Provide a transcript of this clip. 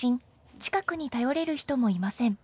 近くに頼れる人もいません。